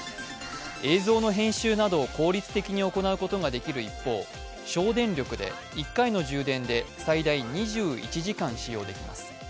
映像の編集などを効率的に行うことができる一方、省電力で１回の充電で最大２１時間使用できます。